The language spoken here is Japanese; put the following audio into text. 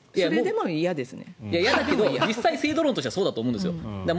嫌だけど制度論としてはそうだと思うんですよ。